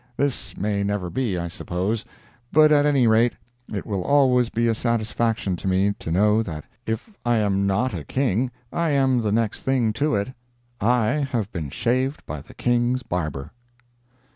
This may never be, I suppose. But at any rate it will always be a satisfaction to me to know that if I am not a King, I am the next thing to it—I have been shaved by the King's barber.